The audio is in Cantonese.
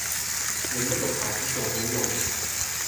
另一個牌子仲好用